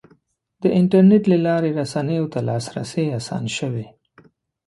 د انټرنیټ له لارې رسنیو ته لاسرسی اسان شوی.